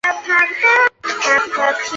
县莅位于丰田市镇。